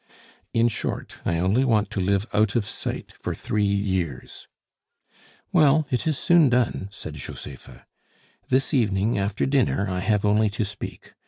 "In short, I only want to live out of sight for three years " "Well, it is soon done," said Josepha. "This evening, after dinner, I have only to speak.